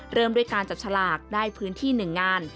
เริ่มด้วยการจับฉลากได้พื้นที่๑งาน